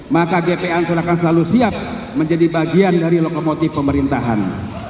maka gp ansor akan selalu siap menjadi bagian dari lokomotif pemerintahan